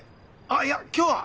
あっいや今日は。